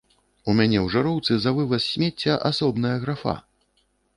У мяне ў жыроўцы за вываз смецця асобная графа!